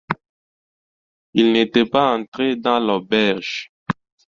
Il n'était pas entré dans l'auberge.